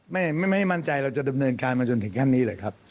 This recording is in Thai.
ไม่ไม่มั่นใจเราจะดำเนินการมาจนถึงขั้นนี้เลยครับ